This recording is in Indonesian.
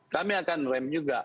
kami akan rem juga